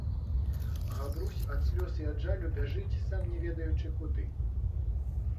Габрусь ад слёз i ад жалю бяжыць, сам не ведаючы куды.